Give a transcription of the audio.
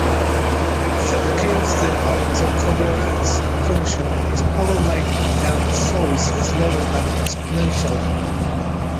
The decay of the autocovariance function is power-like and so is slower than exponential.